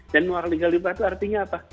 dan luar legal lipat itu artinya apa